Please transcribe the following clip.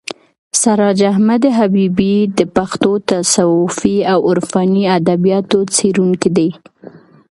سراج احمد حبیبي د پښتو تصوفي او عرفاني ادبیاتو څېړونکی دی.